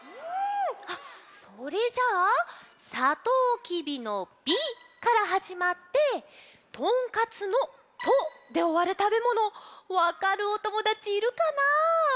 それじゃあさとうきびの「び」からはじまってとんかつの「と」でおわる食べ物わかるおともだちいるかな？